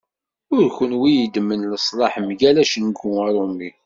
D kunwi i yeddmen leslaḥ mgal acengu arumi.